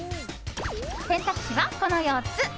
選択肢は、この４つ。